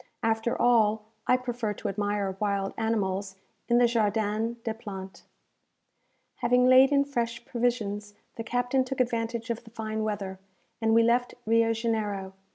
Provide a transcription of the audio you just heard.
After all, I prefer to admire wild animals in the Jardin des Plantes. Having laid in fresh provisions, the captain took advantage of the fine weather, and we left Rio Janeiro.